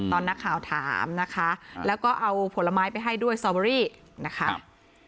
ตอนนักข่าวถามนะคะแล้วก็เอาผลไม้ไปให้ด้วยนะคะอืม